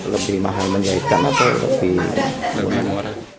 lebih mahal menjahitkan atau lebih murah